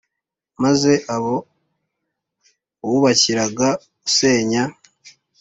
maze abo wubakiraga usenya